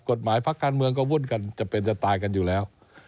พักการเมืองก็วุ่นกันจะเป็นจะตายกันอยู่แล้ว